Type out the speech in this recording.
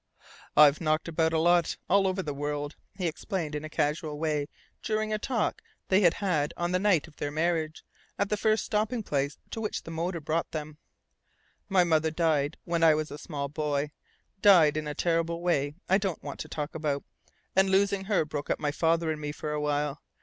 "I've knocked about a lot, all over the world," he explained in a casual way during a talk they had had on the night of their marriage, at the first stopping place to which their motor brought them. "My mother died when I was a small boy, died in a terrible way I don't want to talk about, and losing her broke up my father and me for a while.